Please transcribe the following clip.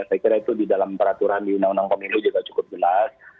saya kira itu di dalam peraturan di undang undang pemilu juga cukup jelas